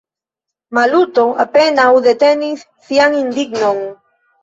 Maluto apenaŭ detenis sian indignon.